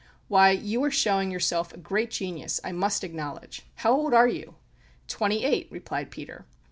"Why, you are showing yourself a great genius, I must acknowledge. How old are you?" "Twenty eight!" replied Peter.